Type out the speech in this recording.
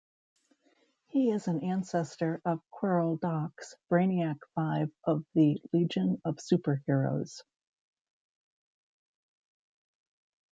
He is an ancestor of Querl Dox, Brainiac Five of the Legion of Super-Heroes.